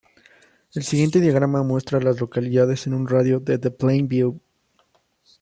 El siguiente diagrama muestra a las localidades en un radio de de Plain View.